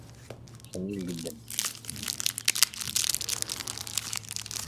Both batteries had to recover ammunition from abandoned vehicles to stay in action.